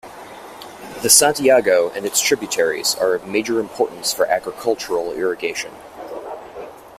The Santiago and its tributaries are of major importance for agricultural irrigation.